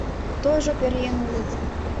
Тожо пӧръеҥ улыт!